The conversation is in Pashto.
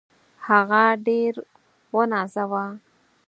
هغه ډېر ونازاوه.